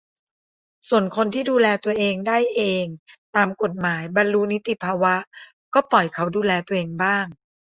ส่วนคนที่ดูแลตัวเองได้เองตามกฎหมาย บรรลุนิติภาวะ ก็ปล่อยเขาดูแลตัวเองบ้าง